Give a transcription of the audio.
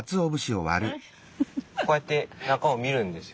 こうやって中を見るんですよ。